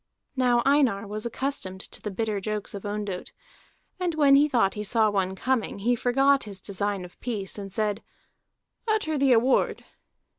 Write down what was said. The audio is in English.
Now Einar was accustomed to the bitter jokes of Ondott, and when he thought he saw one coming, he forgot his design of peace, and said: "Utter the award."